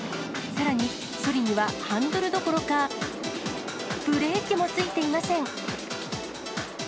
さらに、そりにはハンドルどころかブレーキもついていません。